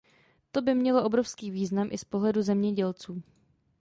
To by mělo obrovský význam, i z pohledu zemědělců.